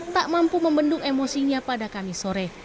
tak mampu membendung emosinya pada kamis sore